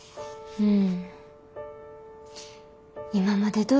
うん。